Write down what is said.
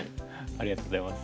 ありがとうございます。